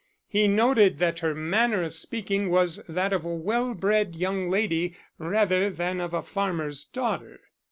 He noted that her manner of speaking was that of a well bred young lady rather than of a farmer's daughter.